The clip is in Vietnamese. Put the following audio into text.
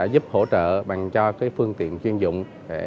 giúp hỗ trợ bằng cho phương tiện chuyên dụng